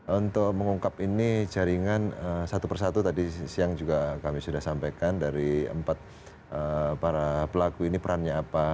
untuk mengungkap ini jaringan satu persatu tadi siang juga kami sudah sampaikan dari empat para pelaku ini perannya apa